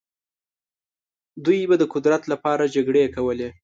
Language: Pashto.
دوی به د قدرت لپاره جګړې کولې.